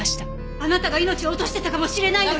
あなたが命を落としてたかもしれないのよ？